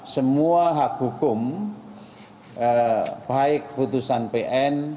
semua hak hukum baik putusan pn